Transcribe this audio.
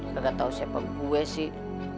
gak tau siapa bua sih